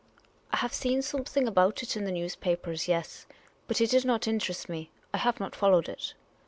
" I have seen something about it in the newspapers ; yes . But it did not interest me : I have not followed it."